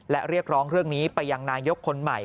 และเรียกร้องเรื่องนี้ไปยังนายกคนใหม่